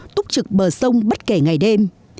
túc trực bờ sông bất kể ngày đêm